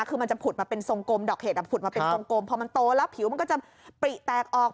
คือมันจะผุดมาเป็นทรงกลมดอกเห็ดผุดมาเป็นกลมพอมันโตแล้วผิวมันก็จะปริแตกออก